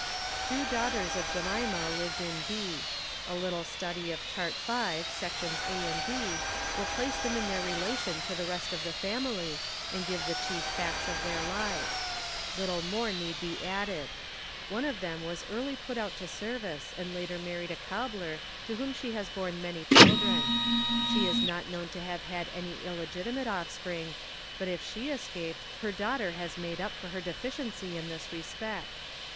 Two daughters of Jemima lived in B . A little study of Chart V, sections A and B, will place them in their relation to the rest of the family and give the chief facts of their lives. Little more need be added. One of them was early put out to service and later married a cobbler to whom she has borne many chil dren. She is not known to have had any illegitimate off spring, but if she escaped, her daughter has made up for her deficiency in this respect.